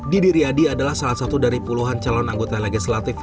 didi riyadi adalah salah satu dari puluhan calon anggota legislatif